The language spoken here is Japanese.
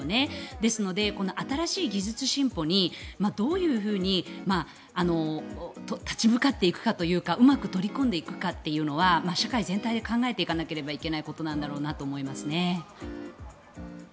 ですのでこの新しい技術進歩にどういうふうに立ち向かっていくかというかうまく取り組んでいくかというのは社会全体で考えていかなければいけないことなんだろうなと思いますね。